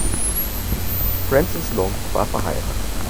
Francis Long war verheiratet.